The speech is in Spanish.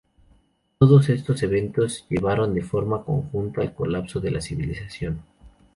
Todos estos eventos llevaron de forma conjunta al colapso de la civilización.